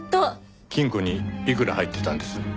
金庫にいくら入ってたんです？